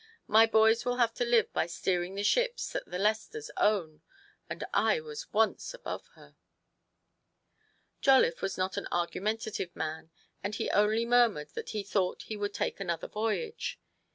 " My boys will have to live by steering the ships that the Lesters own, and I was once above her !" Jolliffe was not an argumentative man, and he only murmured that he thought he would take another voyage.